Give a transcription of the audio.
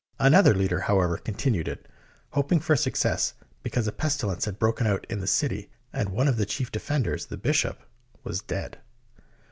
Another leader, however, continued it, hoping for success because a pestilence had broken out in the city and one of the chief defenders, the Bishop, was dead.